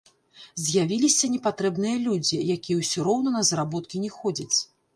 З'явіліся непатрэбныя людзі, якія ўсё роўна на заработкі не ходзяць.